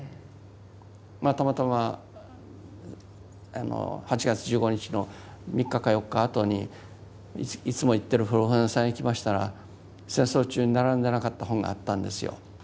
まあたまたま８月１５日の３日か４日あとにいつも行ってる古本屋さんへ行きましたら戦争中に並んでなかった本があったんですよ。